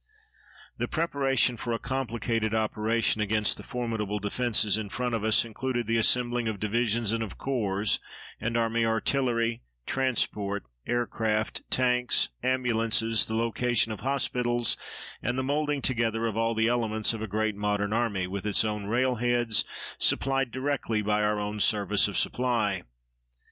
The preparation for a complicated operation against the formidable defenses in front of us included the assembling of divisions and of corps and army artillery, transport, aircraft, tanks, ambulances, the location of hospitals, and the molding together of all the elements of a great modern army with its own railheads, supplied directly by our own Service of Supply.